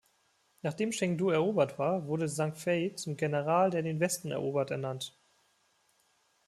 Nachdem Chengdu erobert war, wurde Zhang Fei zum „General, der den Westen erobert“ ernannt.